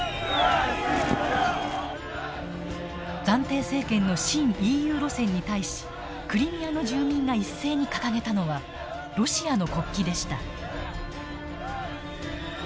暫定政権の親ＥＵ路線に対しクリミアの住民が一斉に掲げたのはロシアの国旗でした。